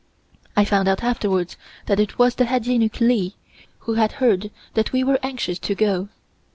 I found out afterwards that it was the head eunuch Li who had heard that we were anxious to go.